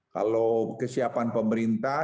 kalau kesiapan pemerintah